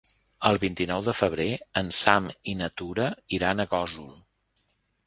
El vint-i-nou de febrer en Sam i na Tura iran a Gósol.